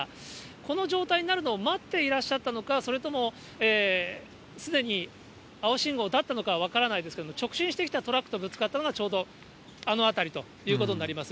この状態になるのを待っていらっしゃったのか、それともすでに青信号だったのかは分からないですけど、直進してきたトラックとぶつかったのが、ちょうどあの辺りということになります。